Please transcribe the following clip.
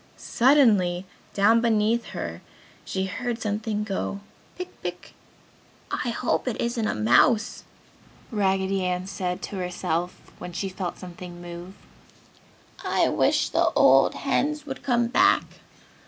Suddenly down beneath her she heard something go, "Pick, pick!" "I hope it isn't a mouse!" Raggedy Ann said to herself, when she felt something move. "I wish the old hens would come back."